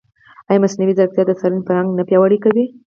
ایا مصنوعي ځیرکتیا د څارنې فرهنګ نه پیاوړی کوي؟